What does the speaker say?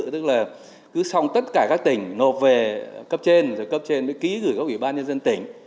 tức là cứ xong tất cả các tỉnh nộp về cấp trên rồi cấp trên mới ký gửi các ủy ban nhân dân tỉnh